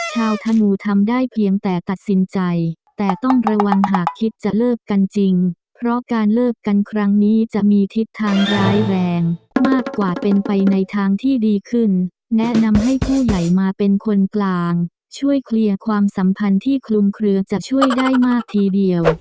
ธนูทำได้เพียงแต่ตัดสินใจแต่ต้องระวังหากคิดจะเลิกกันจริงเพราะการเลิกกันครั้งนี้จะมีทิศทางร้ายแรงมากกว่าเป็นไปในทางที่ดีขึ้นแนะนำให้ผู้ใหญ่มาเป็นคนกลางช่วยเคลียร์ความสัมพันธ์ที่คลุมเคลือจะช่วยได้มากทีเดียว